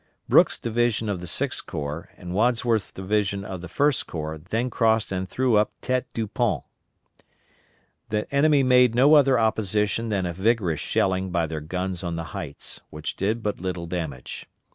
Brooks' division of the Sixth Corps and Wadsworth's division of the First Corps then crossed and threw up tête du ponts. The enemy made no other opposition than a vigorous shelling by their guns on the heights, which did but little damage.